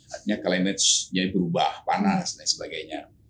artinya climate jadi berubah panas dan sebagainya